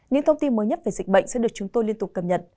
những thông tin mới nhất về dịch bệnh sẽ được chúng tôi liên tục cập nhật